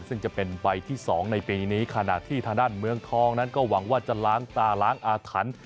ซึ่งจะเป็นใบที่๒ในปีนี้ขณะที่ทางด้านเมืองทองนั้นก็หวังว่าจะล้างตาล้างอาถรรพ์